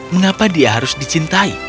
mengapa dia harus dicintai